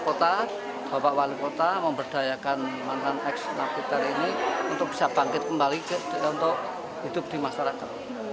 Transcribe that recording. kota bapak wali kota memberdayakan mantan ex napiter ini untuk bisa bangkit kembali untuk hidup di masyarakat